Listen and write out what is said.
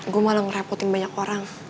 gue malah ngerepotin banyak orang